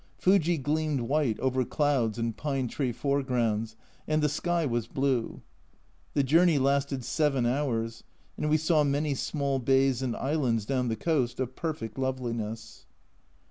Fuji gleamed white over clouds and pine tree foregrounds, and the sky was blue. The journey lasted seven hours, and we saw many small bays and islands down the coast, of perfect loveliness.